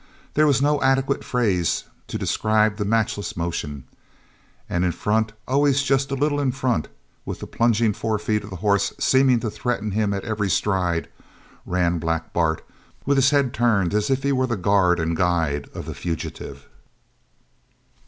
There was no adequate phrase to describe the matchless motion. And in front always just a little in front with the plunging forefeet of the horse seeming to threaten him at every stride, ran Black Bart with his head turned as if he were the guard and guide of the fugitive.